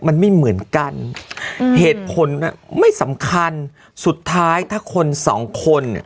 มันไม่เหมือนกันเหตุผลไม่สำคัญสุดท้ายถ้าคนสองคนอ่ะ